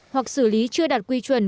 hoặc xử lý chưa đạt quy chuẩn